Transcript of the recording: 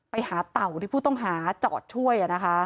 ไปหาแต่าที่ผู้ต้องหาเจาะช่วย